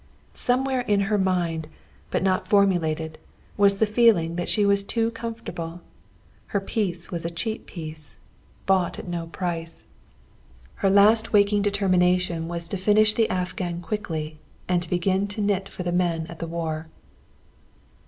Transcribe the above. Somewhere in her mind, but not formulated, was the feeling that she was too comfortable. Her peace was a cheap peace, bought at no price. Her last waking determination was to finish the afghan quickly and to knit for the men at the war.